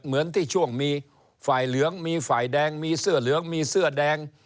เหมือนที่ช่วงมีฝ่ายเหลืองมีฝ่ายแดงมีเสื้อเหลืองมีเสื้อแดง